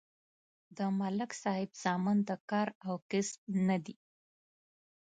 د ملک صاحب زامن د کار او کسب نه دي